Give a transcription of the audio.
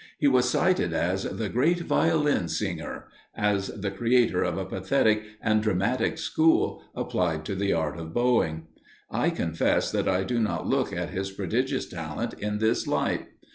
He was cited as the great Violin singer as the creator of a pathetic and dramatic school, applied to the art of bowing. I confess that I do not look at his prodigious talent in this light.